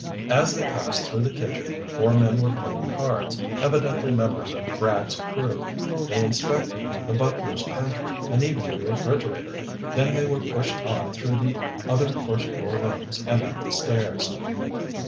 As they passed through the kitchen, four men were playing cards, evidently members of Brad's crew. They inspected the butler's pantry and even the refrigerator, then they were pushed on through the other first floor rooms and up the stairs.